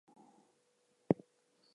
I’ll get back to you in a couple weeks.